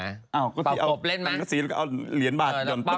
เอาสีเอากะสี่เอ้าเหรียญบาท